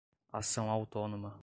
ação autônoma